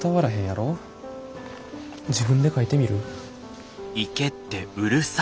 自分で書いてみる？